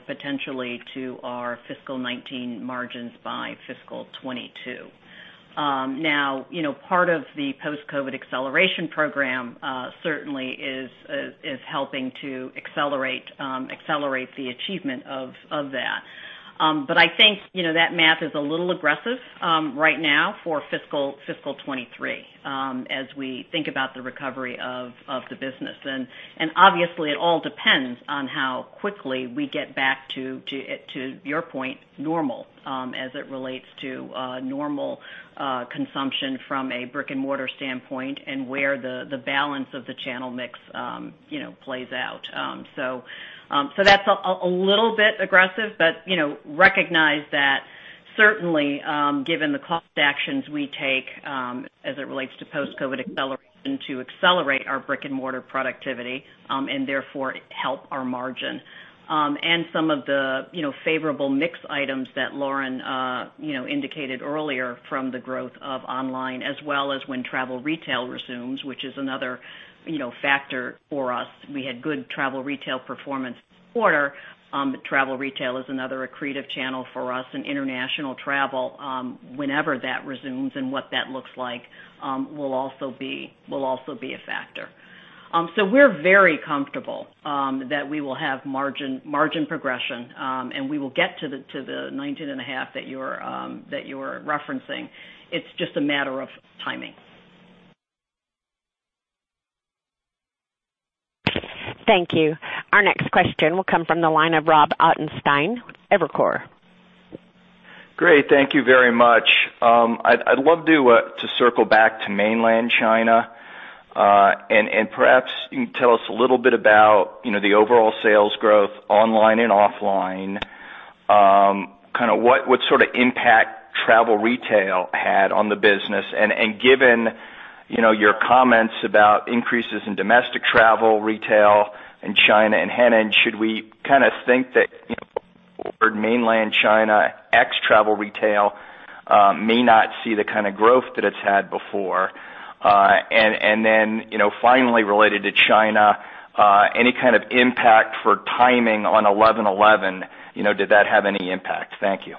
potentially to our fiscal 2019 margins by fiscal 2022. Part of the Post-COVID Business Acceleration Program certainly is helping to accelerate the achievement of that. I think that math is a little aggressive right now for fiscal 2023, as we think about the recovery of the business. Obviously, it all depends on how quickly we get back to, your point normal as it relates to normal consumption from a brick-and-mortar standpoint and where the balance of the channel mix plays out. That's a little bit aggressive, but recognize that certainly, given the cost actions we take as it relates to post-COVID acceleration to accelerate our brick-and-mortar productivity, and therefore help our margin. Some of the favorable mix items that Lauren indicated earlier from the growth of online as well as when travel retail resumes, which is another factor for us. We had good travel retail performance quarter. Travel retail is another accretive channel for us and international travel, whenever that resumes and what that looks like, will also be a factor. We're very comfortable that we will have margin progression, and we will get to the 19.5% that you're referencing. It's just a matter of timing. Thank you. Our next question will come from the line of Rob Ottenstein, Evercore. Great. Thank you very much. I'd love to circle back to mainland China, and perhaps you can tell us a little bit about the overall sales growth online and offline. What sort of impact travel retail had on the business, and given your comments about increases in domestic travel, retail in China and Hainan, should we kind of think that mainland China ex travel retail may not see the kind of growth that it's had before? Finally related to China, any kind of impact for timing on 11.11? Did that have any impact? Thank you.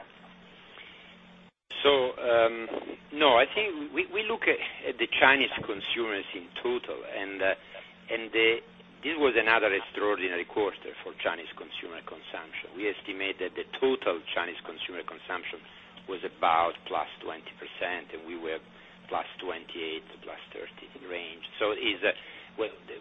No, I think we look at the Chinese consumers in total, and this was another extraordinary quarter for Chinese consumer consumption. We estimate that the total Chinese consumer consumption was about +20%, and we were +28% to +30% range.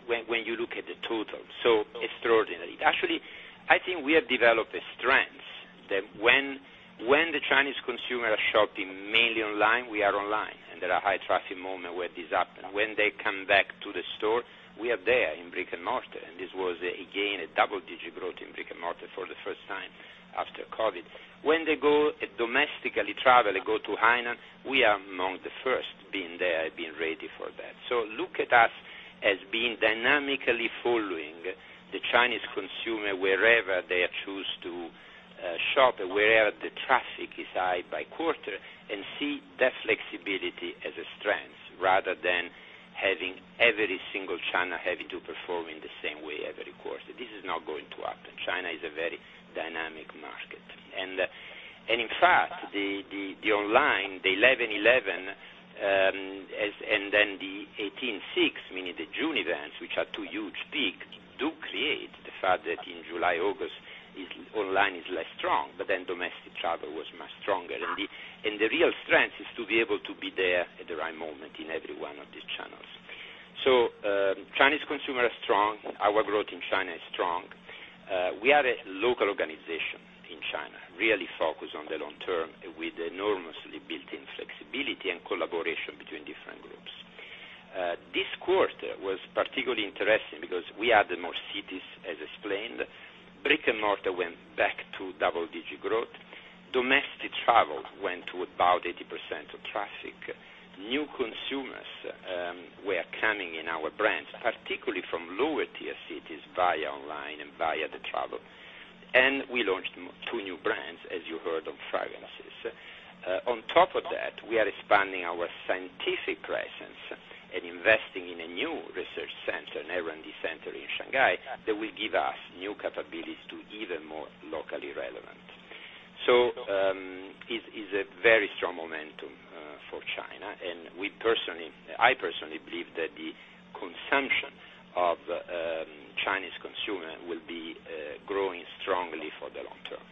When you look at the total, so extraordinary. Actually, I think we have developed a strength that when the Chinese consumer are shopping mainly online, we are online, and there are high traffic moment where this happen. When they come back to the store, we are there in brick-and-mortar, and this was again, a double-digit growth in brick-and-mortar for the first time after COVID. When they go domestically travel and go to Hainan, we are among the first being there, being ready for that. Look at us as being dynamically following the Chinese consumer wherever they choose to shop, wherever the traffic is high by quarter, and see that flexibility as a strength rather than having every single China having to perform in the same way every quarter. This is not going to happen. China is a very dynamic market. In fact, the online, the 11.11, and then the 6.18, meaning the June events, which are two huge peaks, do create the fact that in July, August online is less strong. Domestic travel was much stronger. The real strength is to be able to be there at the right moment in every one of these channels. Chinese consumer are strong. Our growth in China is strong. We are a local organization in China, really focused on the long term with enormously built-in flexibility and collaboration between different groups. This quarter was particularly interesting because we added more cities as explained. Brick-and-mortar went back to double-digit growth. Domestic travel went to about 80% of traffic. New consumers were coming in our brands, particularly from lower tier cities via online and via the travel. We launched two new brands, as you heard, on fragrances. On top of that, we are expanding our scientific presence and investing in a new research center, an R&D center in Shanghai that will give us new capabilities to even more locally relevant. Is a very strong momentum for China, and I personally believe that the consumption of Chinese consumer will be growing strongly for the long term.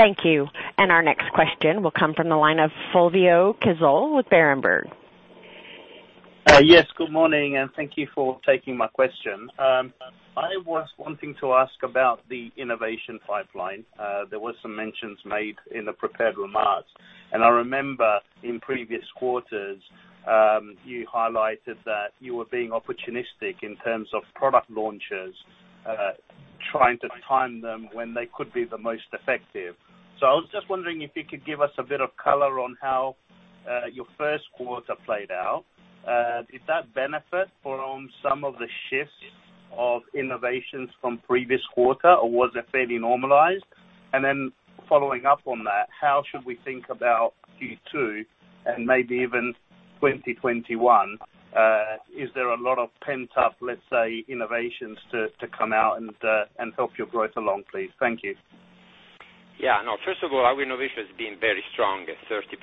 Thank you. Our next question will come from the line of Fulvio Cazzol with Berenberg. Yes, good morning. Thank you for taking my question. I was wanting to ask about the innovation pipeline. There were some mentions made in the prepared remarks. I remember in previous quarters, you highlighted that you were being opportunistic in terms of product launches, trying to time them when they could be the most effective. I was just wondering if you could give us a bit of color on how your first quarter played out. Did that benefit from some of the shifts of innovations from previous quarter, or was it fairly normalized? Then following up on that, how should we think about Q2 and maybe even 2021? Is there a lot of pent-up, let's say, innovations to come out and help your growth along, please? Thank you. Yeah. No, first of all, our innovation has been very strong at 30%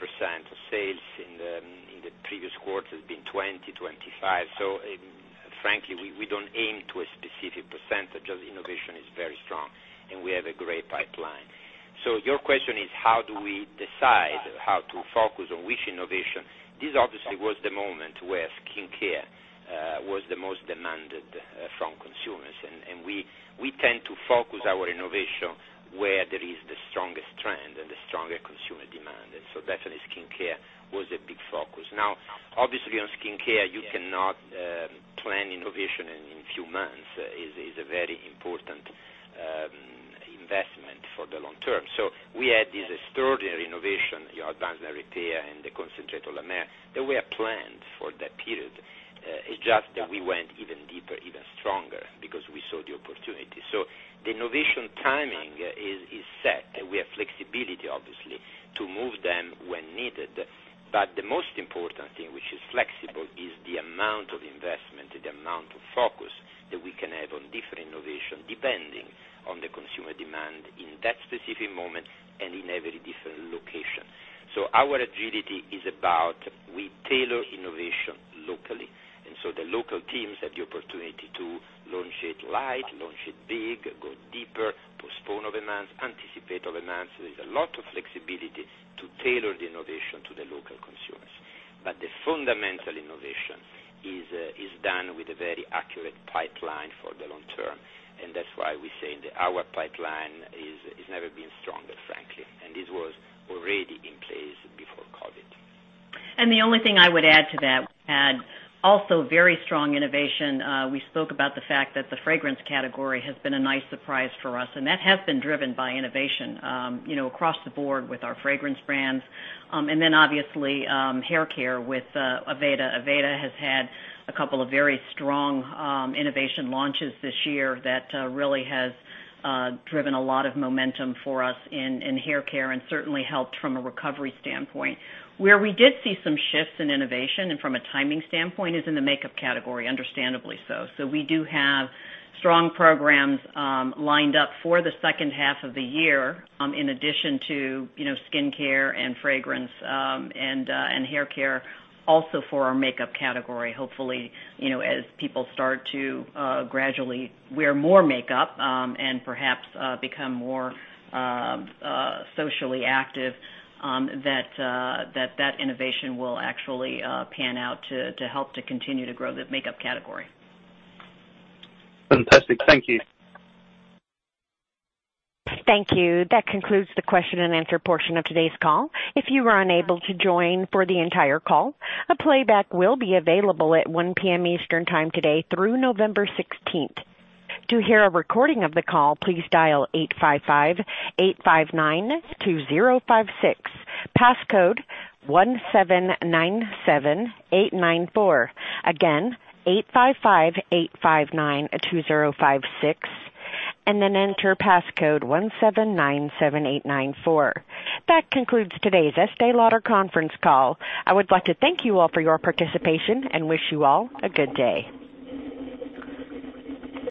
of sales. In the previous quarter, it's been 20%, 25%. Frankly, we don't aim to a specific percentage as innovation is very strong, and we have a great pipeline. Your question is how do we decide how to focus on which innovation? This obviously was the moment where skincare was the most demanded from consumers, and we tend to focus our innovation where there is the strongest trend and the stronger consumer demand. Definitely skincare was a big focus. Now, obviously on skincare, you cannot plan innovation in few months. It is a very important investment for the long term. We had this extraordinary innovation, the Advanced Night Repair and the Concentrate, La Mer, that were planned for that period. It's just that we went even deeper, even stronger because we saw the opportunity. The innovation timing is set, and we have flexibility, obviously, to move them when needed. The most important thing which is flexible is the amount of investment and the amount of focus that we can have on different innovation, depending on the consumer demand in that specific moment and in every different location. Our agility is about, we tailor innovation locally, the local teams have the opportunity to launch it light, launch it big, go deeper, postpone over months, anticipate over months. There's a lot of flexibility to tailor the innovation to the local consumers. The fundamental innovation is done with a very accurate pipeline for the long term, and that's why we say that our pipeline has never been stronger, frankly. This was already in place before COVID. The only thing I would add to that, we've had also very strong innovation. We spoke about the fact that the fragrance category has been a nice surprise for us, and that has been driven by innovation across the board with our fragrance brands. Then obviously, haircare with Aveda. Aveda has had a couple of very strong innovation launches this year that really has driven a lot of momentum for us in haircare and certainly helped from a recovery standpoint. Where we did see some shifts in innovation and from a timing standpoint is in the makeup category, understandably so. We do have strong programs lined up for the second half of the year, in addition to skincare and fragrance, and haircare also for our makeup category. Hopefully, as people start to gradually wear more makeup, and perhaps become more socially active, that innovation will actually pan out to help to continue to grow the makeup category. Fantastic. Thank you. Thank you. That concludes the question and answer portion of today's call. If you were unable to join for the entire call, a playback will be available at 1:00 PM Eastern time today through November 16th. To hear a recording of the call, please dial 8558592056. Passcode 1797894. Again, 8558592056, and then enter passcode 1797894. That concludes today's Estée Lauder conference call. I would like to thank you all for your participation and wish you all a good day.